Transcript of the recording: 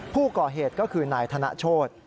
ผู้ก่อเหตุก็คือนายธนโชธ